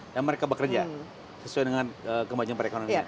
dan mereka bekerja sesuai dengan kemajuan perekonomian